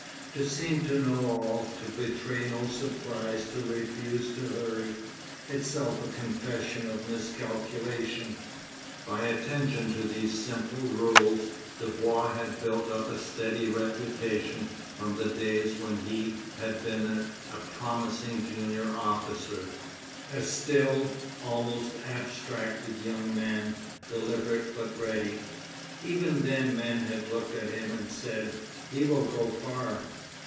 To seem to know all, to betray no surprise, to refuse to hurry—itself a confession of miscalculation; by attention to these simple rules, Dubois had built up a steady reputation from the days when he had been a promising junior officer, a still, almost abstracted young man, deliberate but ready. Even then men had looked at him and said: 'He will go far.